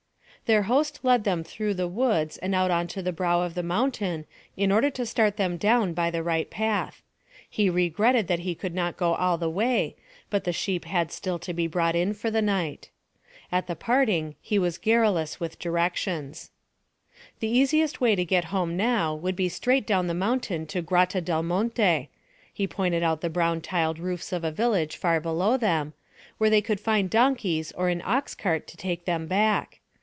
Their host led them through the woods and out on to the brow of the mountain in order to start them down by the right path. He regretted that he could not go all the way, but the sheep had still to be brought in for the night. At the parting he was garrulous with directions. The easiest way to get home now would be straight down the mountain to Grotta del Monte he pointed out the brown tiled roofs of a village far below them there they could find donkeys or an ox cart to take them back.